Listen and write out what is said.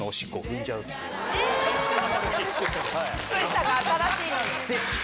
靴下が新しいのに！